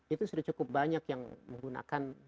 itu sudah cukup banyak yang menggunakan